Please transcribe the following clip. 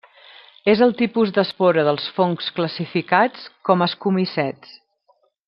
És el tipus d'espora dels fongs classificats com ascomicets.